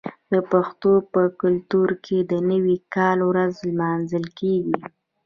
د پښتنو په کلتور کې د نوي کال ورځ لمانځل کیږي.